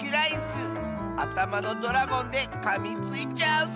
あたまのドラゴンでかみついちゃうぞ！